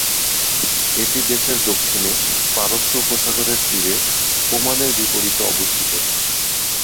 এটি দেশের দক্ষিণে পারস্য উপসাগরের তীরে ওমানের বিপরীতে অবস্থিত।